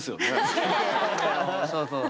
そうそう。